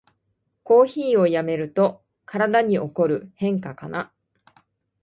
コーヒーをやめると体に起こる変化かな